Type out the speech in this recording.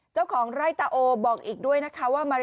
เจ้าของไร่ตะโอบอกอีกด้วยนะคะว่า